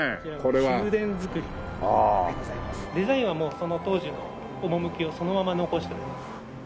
デザインはもうその当時の趣をそのまま残しております。